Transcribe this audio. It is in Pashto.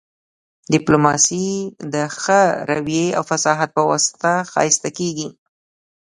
ډیپلوماسي د ښه رويې او فصاحت په واسطه ښایسته کیږي